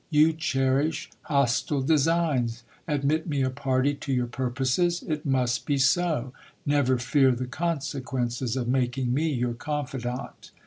You cherish hostile designs. Admit me a party to your purposes ; it must be so. Never fear the consequences of making me your confidant.